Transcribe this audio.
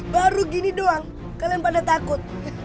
baru gini doang kalian pada takut